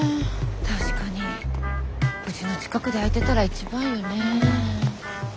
確かにうちの近くで空いてたら一番よねぇ。